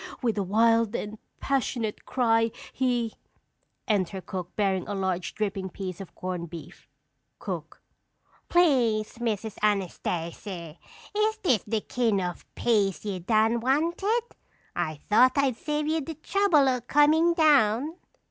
With a wild and passionate cry he " Enter cook bearing a large, dripping piece of corned beef. Cook. Please, Miss Anastasy, is dis de kin' of a piece ye done wanted? I thought I'd save ye de trouble o' comin' down.